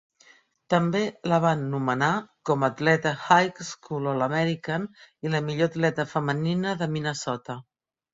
També la van nomenar com a atleta High School All American i la millor atleta femenina de Minnesota.